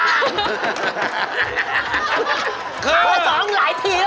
หมายเลข๒หลายทีแล้วน่ะ